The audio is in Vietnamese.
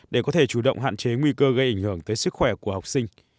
để có thể chủ động hạn chế nguy cơ gây ảnh hưởng tới sức khỏe của học sinh